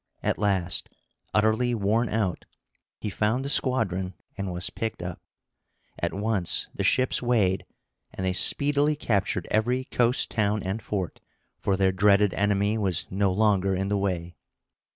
At last, utterly worn out, he found the squadron, and was picked up. At once the ships weighed; and they speedily captured every coast town and fort, for their dreaded enemy was no longer in the way.